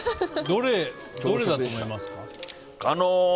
どれだと思いますか？